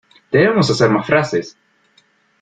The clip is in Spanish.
Debemos hacer más frases.